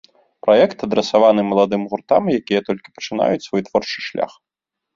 Праект адрасаваны маладым гуртам, якія толькі пачынаюць свой творчы шлях.